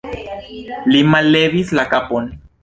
Li mallevis la kapon.